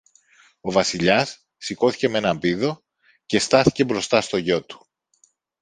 Ο Βασιλιάς σηκώθηκε μ' έναν πήδο και στάθηκε μπροστά στο γιο του